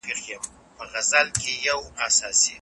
که بېله مينې د ليلا تصوير په خوب وويني